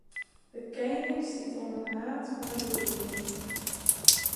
De kening stiet oan it haad fan 'e regearing.